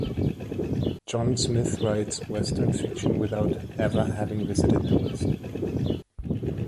John Smith writes Western fiction without ever having visited the West.